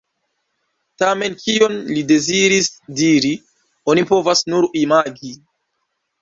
Tamen kion li deziris diri, oni povas nur imagi.